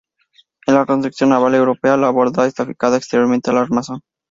En la construcción naval europea, la borda está fijada exteriormente al armazón.